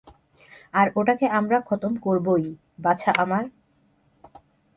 আর ওটাকে আমরা খতম করবোই, বাছা আমার।